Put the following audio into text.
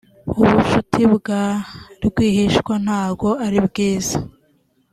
ubucuti bwa rwihishwa ntago ari bwiza